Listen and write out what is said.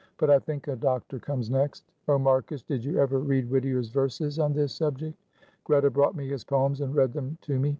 But I think a doctor comes next. Oh, Marcus, did you ever read Whittier's verses on this subject? Greta brought me his poems and read them to me.